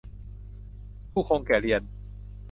ผู้คงแก่เรียน